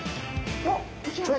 おっ出来上がり。